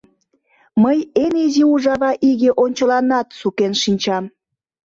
Мый эн изи ужава иге ончыланат сукен шинчам...